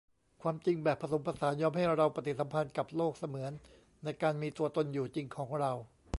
ความจริงแบบผสมผสานยอมให้เราปฏิสัมพันธ์กับโลกเสมือนในการมีตัวตนอยู่จริงของเรา